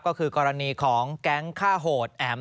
ก็คือกรณีของแก๊งฆ่าโหดแอ๋ม